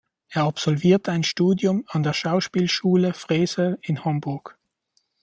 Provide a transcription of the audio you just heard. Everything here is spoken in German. Er absolvierte ein Studium an der Schauspielschule Frese in Hamburg.